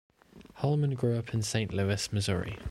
Holman grew up in Saint Louis, Missouri.